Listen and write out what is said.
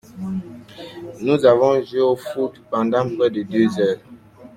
Nous avons joué au foot pendant près de deux heures.